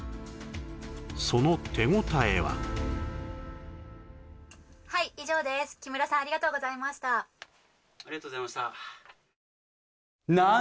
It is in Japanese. そのはい以上です木村さんありがとうございましたありがとうございました